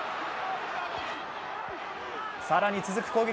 更に続く攻撃。